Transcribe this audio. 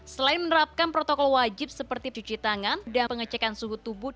selain menerapkan protokol wajib seperti cuci tangan dan pengecekan suhu tubuh